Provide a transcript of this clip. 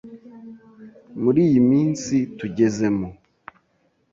muri iyi minsi tugezemo,